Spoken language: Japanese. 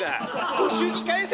ご祝儀返せ！